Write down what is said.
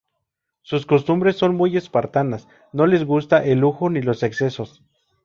Sus costumbres son muy espartanas, no le gusta el lujo ni los excesos.